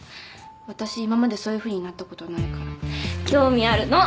私今までそういうふうになったことないから興味あるの。